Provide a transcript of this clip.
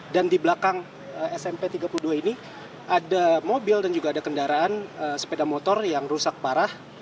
dan di belakang smp tiga dua ini ada mobil dan juga ada kendaraan sepeda motor yang rusak parah